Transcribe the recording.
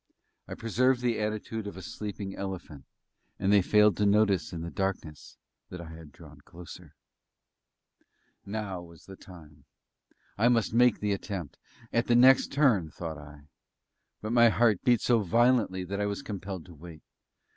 I preserved the attitude of a sleeping elephant; and they failed to notice in the darkness that I had drawn closer. Now was the time. I must make the attempt at the next turn, thought I. But my heart beat so violently that I was compelled to wait.